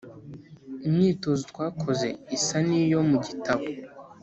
imyitozo twakoze isa ni yo mu gitabo